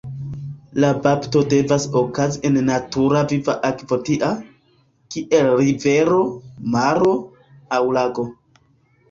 La bapto devas okazi en natura viva akvo tia, kiel rivero, maro, aŭ lago.